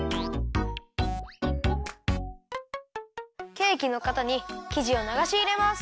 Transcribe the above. ケーキのかたにきじをながしいれます。